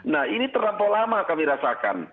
nah ini terlampau lama kami rasakan